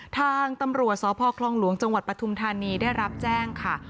ทางตำรวจสพคลองหลวงจังหวัดปฐุมธานีได้รับแจ้งค่ะ